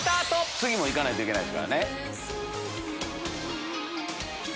次もいかないといけないですからね。